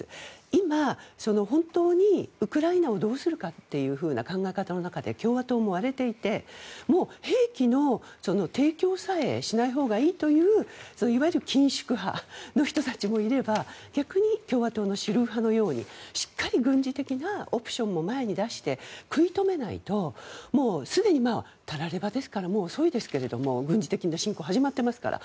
今、本当にウクライナをどうするかっていうふうな考え方の中で共和党も割れていて兵器の提供さえしないほうがいいといういわゆる緊縮派の人たちもいれば逆に共和党の主流派のようにしっかり軍事的なオプションも前に出して食い止めないとすでに、たらればですからもう遅いですが軍事的な侵攻が始まっていますから。